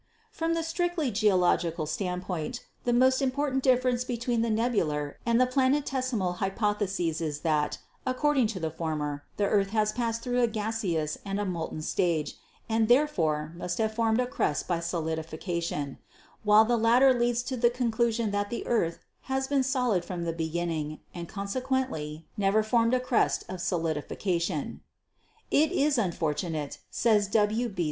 From the strictly geological standpoint the most impor tant difference between the Nebular and the Planetesimal Hypotheses is that, according to the former, the earth has passed through a gaseous and a molten stage and there fore must have formed a crust by solidification, while the latter leads to the conclusion that the earth has been solid HISTORICAL GEOLOGY 203 from the beginning, and consequently never formed a crust of solidification. "It is unfortunate," says W. B.